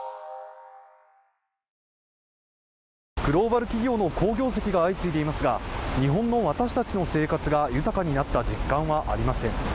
グローバル企業の好業績が相次いでいますが日本の私たちの生活が豊かになった実感はありません。